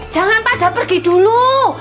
jangan pada pergi dulu